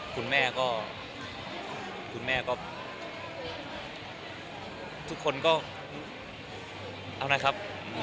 คุณแม่ก็ก็ตรงคนก็เอาหนะครับ